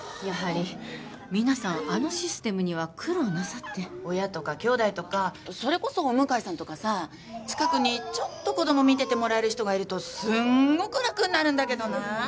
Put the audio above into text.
やはり皆さんあのシステムには苦労なさって親とか兄弟とかそれこそお向かいさんとかさ近くにちょっと子供見ててもらえる人がいるとすんごく楽になるんだけどな